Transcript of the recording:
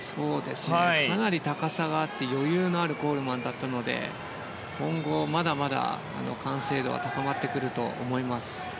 かなり高さがあって余裕のあるコールマンだったので完成度は高まってくると思います。